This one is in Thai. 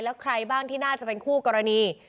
แล้วใครบ้างที่น่าจะเป็นคู่กรณี